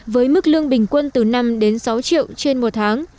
với mức lương bình quân từ năm đến sáu triệu trên một tháng